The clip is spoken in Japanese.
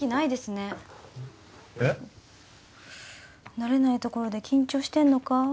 慣れない所で緊張してんのか？